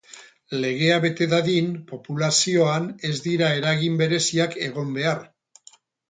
Legea bete dadin populazioan ez dira eragin bereziak egon behar.